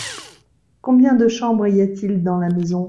Combien de chambres y a-t-il dans la maison ?